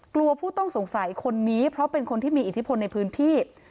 ผู้ต้องสงสัยคนนี้เพราะเป็นคนที่มีอิทธิพลในพื้นที่